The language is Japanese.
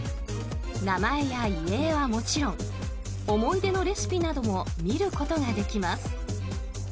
名前や遺影はもちろん思い出のレシピなども見ることができます。